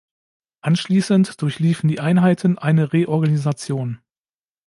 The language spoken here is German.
Anschließend durchliefen die Einheiten eine Reorganisation.